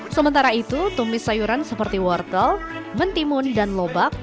sementara itu tumis sayuran seperti wortel mentimun dan lobak